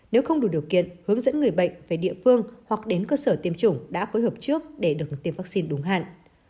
nếu không đủ điều kiện hướng dẫn người bệnh về địa phương hoặc đến cơ sở tiêm chủng đã phối hợp trước để được tiêm vaccine đúng hạn